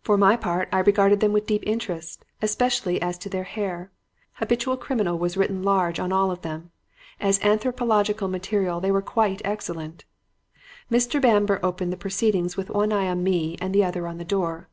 For my part, I regarded them with deep interest, especially as to their hair. 'Habitual Criminal' was written large on all of them. As anthropological material they were quite excellent. "Mr. Bamber opened the proceedings with one eye on me and the other on the door.